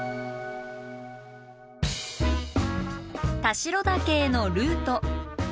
田代岳へのルート。